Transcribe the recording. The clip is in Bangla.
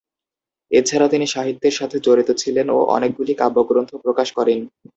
এছাড়া তিনি সাহিত্যের সাথে জড়িত ছিলেন ও অনেকগুলি কাব্যগ্রন্থ প্রকাশ করেন।